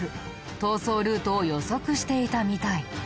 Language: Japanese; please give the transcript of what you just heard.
逃走ルートを予測していたみたい。